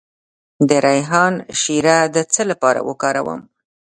د ریحان شیره د څه لپاره وکاروم؟